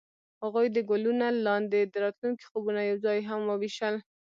هغوی د ګلونه لاندې د راتلونکي خوبونه یوځای هم وویشل.